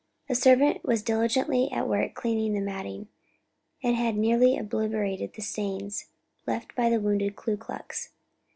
A servant was diligently at work cleaning the matting, and had nearly obliterated the stains left by the wounded Ku Klux.